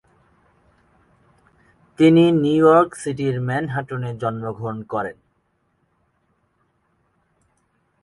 তিনি New York সিটির ম্যানহাটনে জন্মগ্রহণ করেন।